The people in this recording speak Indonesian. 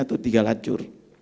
itu gak lancur